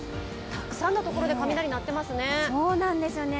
たくさんの所で雷、鳴ってますね。